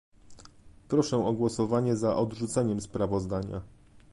Proszę o głosowanie za odrzuceniem sprawozdania